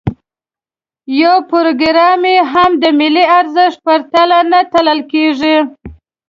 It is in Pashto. یو پروګرام یې هم د ملي ارزښت په تله نه تلل کېږي.